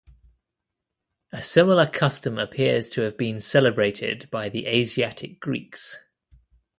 A similar custom appears to have been celebrated by the Asiatic Greeks.